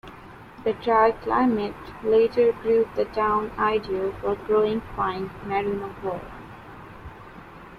The dry climate later proved the town ideal for growing fine merino wool.